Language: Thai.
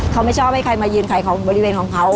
เขาไม่ชอบให้ใครมายืนขายของบริเวณของเขา